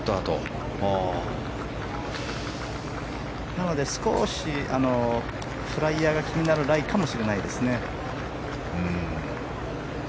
なので、少しフライヤーが気になるライかもしれないですね。